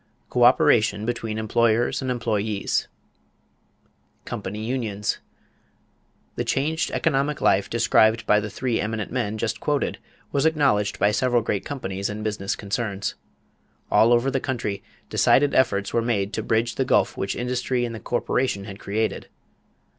COÖPERATION BETWEEN EMPLOYERS AND EMPLOYEES =Company Unions.= The changed economic life described by the three eminent men just quoted was acknowledged by several great companies and business concerns. All over the country decided efforts were made to bridge the gulf which industry and the corporation had created.